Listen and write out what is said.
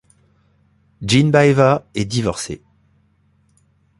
Jeenbaeva est divorcée.